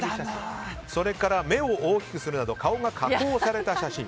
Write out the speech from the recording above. それから目を大きくするなど顔が加工された写真。